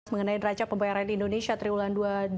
mengenai raja pembayaran indonesia triwulan dua ribu empat belas